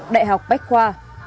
đại học bách khoa